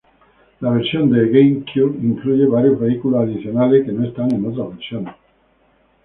La versión en GameCube incluye varios vehículos adicionales que no están en otras versiones.